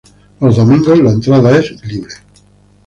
Los domingos la entrada es libre.